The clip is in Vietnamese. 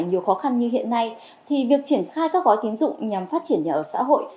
nhiều khó khăn như hiện nay thì việc triển khai các gói tiến dụng nhằm phát triển nhà ở xã hội